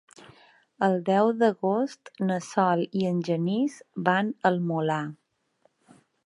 El deu d'agost na Sol i en Genís van al Molar.